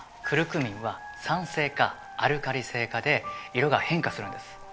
クルクミンは酸性かアルカリ性かで色が変化するんです。